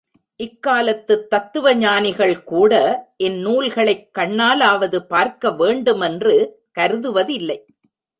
இக் காலத்துத் தத்துவ ஞானிகள் கூட இந் நூல்களைக் கண்ணாலாவது பார்க்க வேண்டுமென்று கருதுவதில்லை.